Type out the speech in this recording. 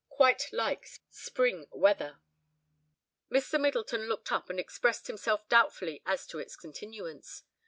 "Quite like spring weather." Mr. Middleton looked up and expressed himself doubtfully as to its continuance.